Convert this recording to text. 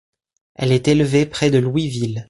Elle est élevée près de Louisville.